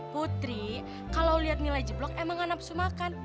putri kalau liat nilai jeblok emang gak nafsu makan